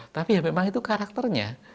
tapi ya memang itu karakternya